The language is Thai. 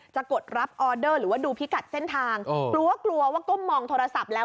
กดรับออเดอร์หรือว่าดูพิกัดเส้นทางกลัวกลัวว่าก้มมองโทรศัพท์แล้ว